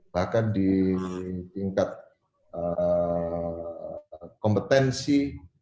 bahkan di tingkat kompetensi